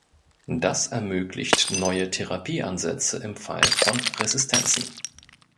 Das ermöglicht neue Therapieansätze im Fall von Resistenzen.